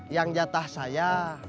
yang jatah saya